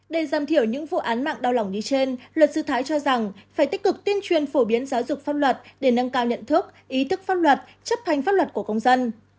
để giảm thiểu những vụ án mạng đau lòng như trên luật sư thái cho rằng phải tích cực tuyên truyền phổ biến giáo dục pháp luật để nâng cao nhận thức ý thức pháp luật chấp hành pháp luật của công dân